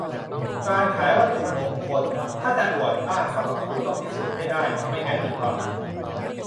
- การขายวัตถุมงคล ถ้าจะอวดอ้างสรรพคุณ ต้องพิสูจน์ให้ได้ ไม่งั้นมีความผิด